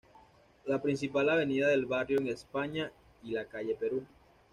La principal avenida del barrio es España y la calle Perú.